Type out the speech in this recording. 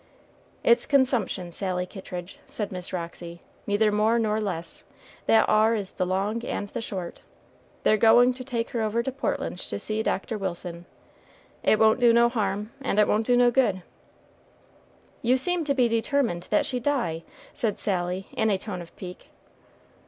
"It's consumption, Sally Kittridge," said Miss Roxy, "neither more nor less; that ar is the long and the short. They're going to take her over to Portland to see Dr. Wilson it won't do no harm, and it won't do no good." "You seem to be determined she shall die," said Sally in a tone of pique.